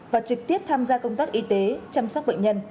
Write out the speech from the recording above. và trực tiếp tham gia công tác y tế chăm sóc bệnh nhân